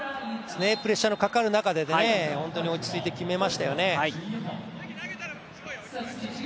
プレッシャーのかかる中で、本当に落ち着いて決めましたよね。